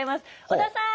小田さん！